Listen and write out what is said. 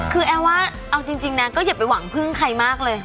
คือแอลว่าเอาจริงนะก็อย่าไปหวังพึ่งใครมากเลย